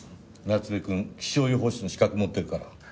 夏目くん気象予報士の資格持ってるから。